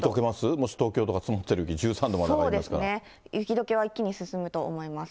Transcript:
もし東京とか積もってるとき、１そうですね、雪どけは一気に進むと思います。